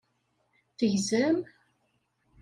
Tegzam?